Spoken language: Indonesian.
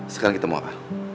sekarang kita mau apa